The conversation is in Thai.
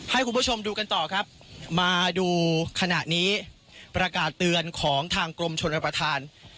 ให้คุณผู้ชมดูกันต่อครับมาดูขณะนี้ประกาศเตือนของทางกรมชนประธาน